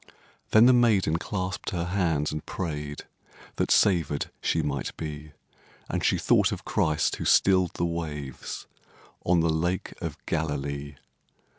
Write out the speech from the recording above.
Then the maiden clasped her hands and prayed That savèd she might be; And she thought of Christ, who stilled the waves On the Lake of Galilee.